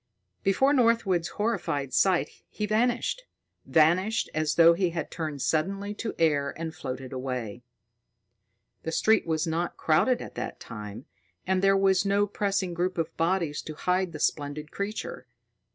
Before Northwood's horrified sight, he vanished; vanished as though he had turned suddenly to air and floated away. The street was not crowded at that time, and there was no pressing group of bodies to hide the splendid creature.